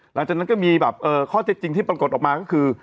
หลังจากนั้นก็มีแบบข้อเท็จจริงที่ปรากฏออกมาก็คือ